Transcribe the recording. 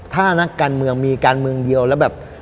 ถ้านักการเมืองมีการเมืองเดียวแล้วแบบ